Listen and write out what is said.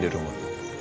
dia di rumah